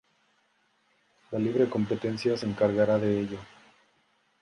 La libre competencia se encargará de ello.